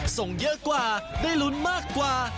ส่งเยอะกว่าได้ลุ้นมากกว่า